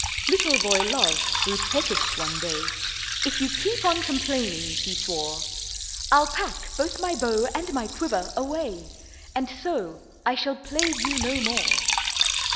Little boy Love grew pettish one day; 'If you keep on complaining,' he swore, 'I'll pack both my bow and my quiver away, And so I shall plague you no more.